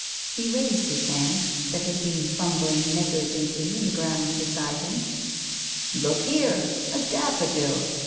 He raised his hand, that had been fumbling negligently in the ground beside him. " Look here ! A daffodil